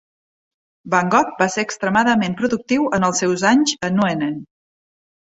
Van Gogh va ser extremadament productiu en els seus anys a Nuenen.